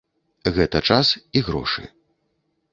Гэта час і грошы.